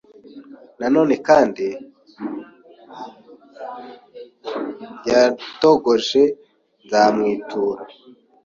Nanone kandi yadogoje nzamwitura